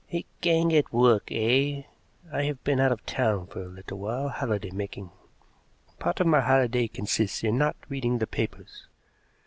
"A gang at work, eh? I have been out of town for a little while holiday making, and part of my holiday consists in not reading the papers.